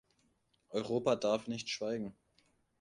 Europa darf nicht schweigen.